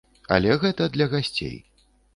Але гэта для гасцей.